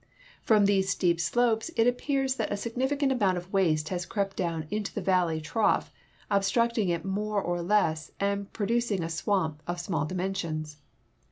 From these steep slopes it appears that a significant amount of waste has crept down into the valley trough, obstructing it more or less and producing a swamp of small dimensions.